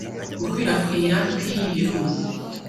Gukwirakwira kw’iyi virus